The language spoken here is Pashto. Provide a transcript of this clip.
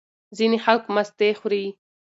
ځینې خلک مستې خوري.